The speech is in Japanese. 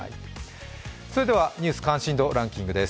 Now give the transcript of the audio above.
それでは「ニュース関心度ランキング」です。